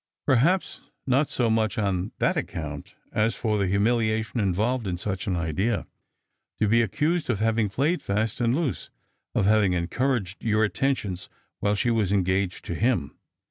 " Perhaps not bo much on that account as for the humiliation involved in such an idea. To be accused of having played fast and loose, of having encouraged your attentions while she was engaged to him.